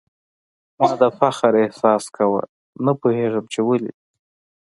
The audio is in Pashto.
ما د فخر احساس کاوه ، نه پوهېږم چي ولي ؟